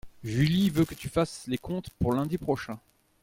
Julie veut que tu fasses les comptes pour lundi prochain.